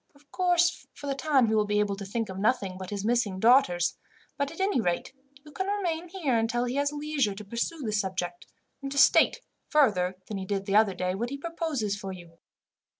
Of course, for the time he will be able to think of nothing but his missing daughters; but at any rate, you can remain here until he has leisure to pursue the subject, and to state, further than he did the other day, what he proposes for you.